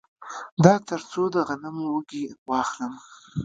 دا تر څو د غنمو وږي واخلم